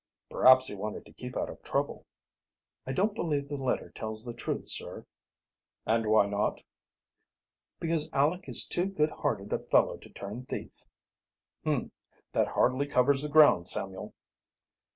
"Perhaps he wanted to keep out of trouble." "I don't believe the letter tells the truth, sir." "And why not?" "Because Aleck is too good hearted a fellow to turn thief." "Hum! That hardly covers the ground, Samuel."